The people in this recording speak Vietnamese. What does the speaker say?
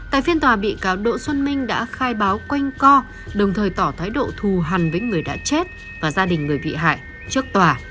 tại phiên tòa bị cáo đỗ xuân minh đã khai báo quanh co đồng thời tỏ thái độ thù hẳn với người đã chết và gia đình người bị hại trước tòa